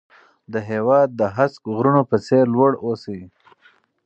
د هېواد د هسک غرونو په څېر لوړ اوسئ.